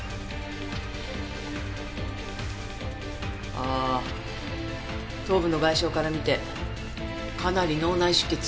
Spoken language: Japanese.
ああ頭部の外傷から見てかなり脳内出血してそうね。